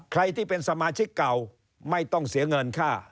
ใครที่เป็นสมาชิกเก่าไม่ต้องเสียเงินค่า